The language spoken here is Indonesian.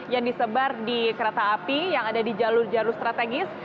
yang disebar di kereta api yang ada di jalur jalur strategis